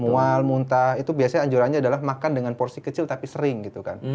mual muntah itu biasanya anjurannya adalah makan dengan porsi kecil tapi sering gitu kan